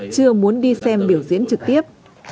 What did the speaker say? chưa muốn đi xem biểu diễn trực tiếp